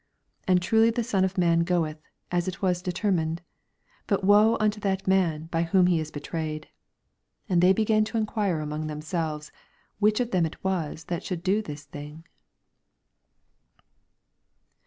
22 And truly the Son of man goeth, as it was determined : but woe unto that man by whom he is betrayed ! 23 And they began to enquire among themselves, which of them it was that should do this thing.